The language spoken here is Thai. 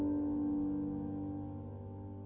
สักพันเดียว